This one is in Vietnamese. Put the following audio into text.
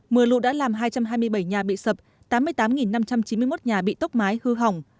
mưa lụt đã làm hai trăm hai mươi bảy nhà bị sập tám mươi tám năm trăm chín mươi một nhà bị tốc mái hư hỏng